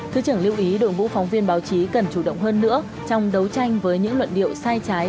thứ trưởng lưu ý đội ngũ phóng viên báo chí cần chủ động hơn nữa trong đấu tranh với những luận điệu sai trái